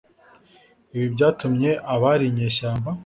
ibi byatumye abari inyeshyamba